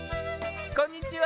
こんにちは。